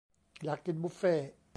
อยากกินบุฟเฟ่